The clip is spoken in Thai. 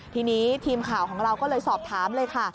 ทีนี้ทีมข่าวของเราก็เลยสอบถามเลยค่ะ